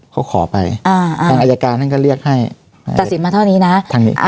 เขาขอไปอ่าทางอายการท่านก็เรียกให้ตัดสินมาเท่านี้นะทางนี้